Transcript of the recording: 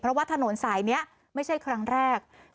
เพราะว่าถนนสายนี้ไม่ใช่ครั้งแรก